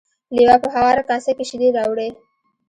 لیوه په هواره کاسه کې شیدې راوړې.